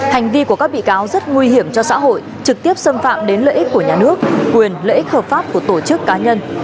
hành vi của các bị cáo rất nguy hiểm cho xã hội trực tiếp xâm phạm đến lợi ích của nhà nước quyền lợi ích hợp pháp của tổ chức cá nhân